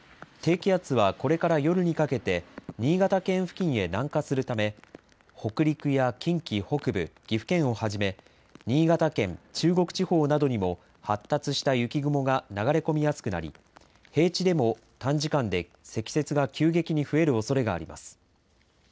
低気圧はこれから夜にかけて新潟県付近へ南下するため北陸や近畿北部、岐阜県をはじめ新潟県、中国地方などにも発達した雪雲が流れ込みやすくなり平地でも短時間で積雪が急激に増えるおそれがあります。